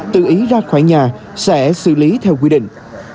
tự ý ra khỏi nhà sẽ xử lý theo quy định